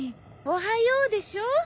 おはようでしょ？